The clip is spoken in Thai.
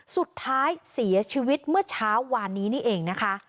สุดท้ายเสียชีวิตเมื่อเช้าวานนี้นี่เองนะคะ